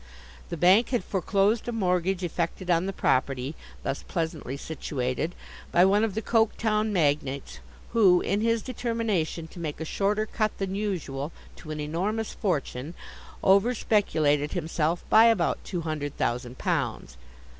The bank had foreclosed a mortgage effected on the property thus pleasantly situated, by one of the Coketown magnates, who, in his determination to make a shorter cut than usual to an enormous fortune, overspeculated himself by about two hundred thousand pounds.